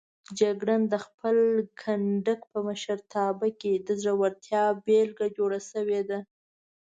جګړن د خپل کنډک په مشرتابه کې د زړورتیا بېلګه جوړ شوی دی.